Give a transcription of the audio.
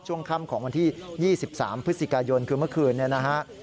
ช่วงค่ำของวันที่๒๓พฤศจิกายนคือเมื่อคืนนี้นะฮะ